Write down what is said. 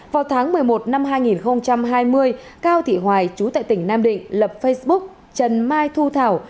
vào tháng một mươi một năm hai nghìn hai mươi cao thị hoài chú tại tỉnh nam định lập facebook trần mai thu thảo